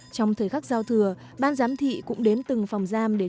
trong thời khắc giao thừa ban giám thị cũng đến từng phòng giam để chú ý